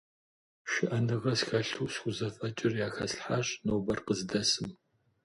ШыӀэныгъэ схэлъу схузэфӀэкӀыр яхэслъхьащ нобэр къыздэсым.